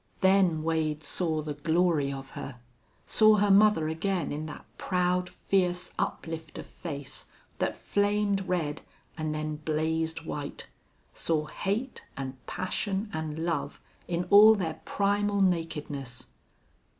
Then Wade saw the glory of her saw her mother again in that proud, fierce uplift of face, that flamed red and then blazed white saw hate and passion and love in all their primal nakedness.